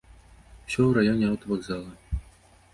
Усё ў раёне аўтавакзала.